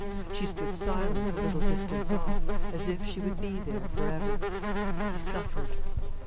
She stood silent, a little distance off, as if she would be there for ever. He suffered.